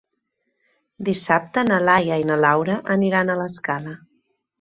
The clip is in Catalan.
Dissabte na Laia i na Laura aniran a l'Escala.